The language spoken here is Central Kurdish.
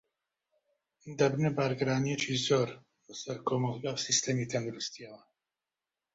دەبنە بارگرانییەکی زۆر بەسەر کۆمەڵگە و سیستمی تەندروستییەوە